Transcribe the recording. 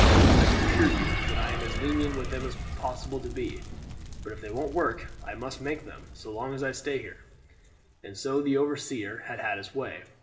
I can assure you that I am as lenient with them as is possible to be. But if they won't work I must make them, so long as I stay here." And so the overseer had had his way.